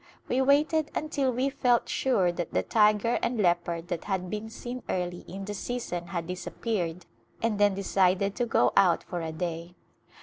We waited until we felt sure that the tiger and leopard that had been seen early in the season had disappeared and then decided to go out for a day.